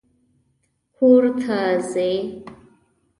کور ته ځې!